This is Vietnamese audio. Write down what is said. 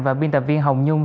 và biên tập viên hồng nhung